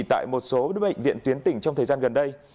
tại một số bệnh viện tuyến tỉnh trong thời gian gần đây